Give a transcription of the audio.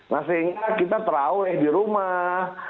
masing masing kita terawih di rumah